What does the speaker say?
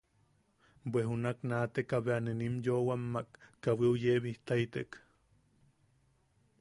Bwe junak naateka bea ne nim yoʼowammak kawiu yebijtaitek.